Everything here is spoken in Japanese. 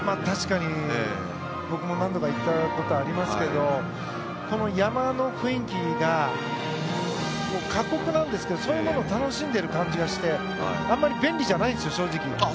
確かに僕も何度か行ったことありますけどこの山の雰囲気が過酷なんですけどそういうものを楽しんでいる感じがしてあまり便利じゃないんです正直。